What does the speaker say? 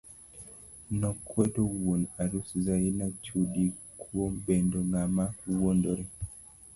Nokwedo wuon arus Zaina Chudi kuom bendo ng'ama wuondore.